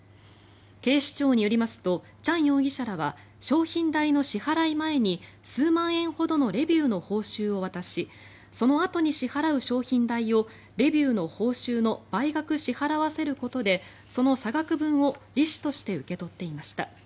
警視庁によりますとチャン容疑者らは商品代の支払い前に数万円ほどのレビューの報酬を渡しそのあとに支払う商品代をレビューの報酬の倍額支払わせることでその差額分を利子として受け取っていました。